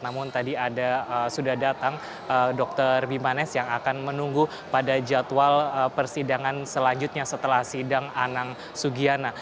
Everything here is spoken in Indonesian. namun tadi sudah datang dr bimanes yang akan menunggu pada jadwal persidangan selanjutnya setelah sidang anang sugiana